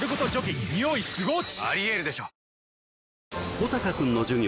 穗高君の授業